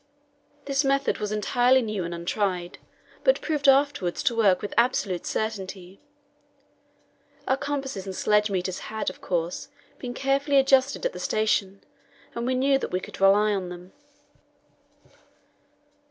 This method was entirely new and untried, but proved afterwards to work with absolute certainty. Our compasses and sledge meters had, of course, been carefully adjusted at the station, and we knew that we could rely on them.